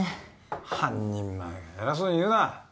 半人前が偉そうに言うな。